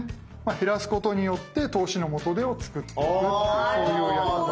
減らすことによって投資の元手を作っていくっていうそういうやり方。